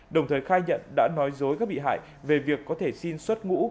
đồng thời khai nhận đã nói dối các bị hại về việc có thể xin xuất ngũ